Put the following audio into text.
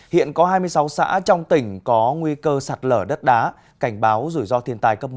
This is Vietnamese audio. hiện có hai mươi sáu xã trong tỉnh có nguy cơ sạt lở đất đá cảnh báo rủi ro thiên tài cấp một